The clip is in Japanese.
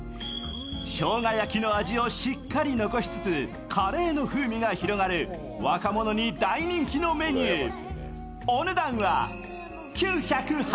しょうが焼きの味をしっかり残しつつカレーの風味が広がる若者に大人気のメニュー。